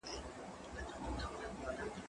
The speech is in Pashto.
زه مځکي ته نه ګورم!.